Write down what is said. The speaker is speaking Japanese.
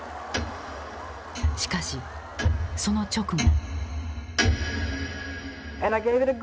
しかしその直後。